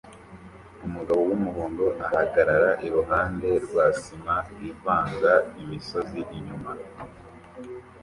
Umugabo wumuhondo ahagarara iruhande rwa sima ivanga imisozi inyuma